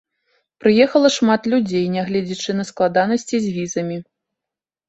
Прыехала шмат людзей, нягледзячы на складанасці з візамі.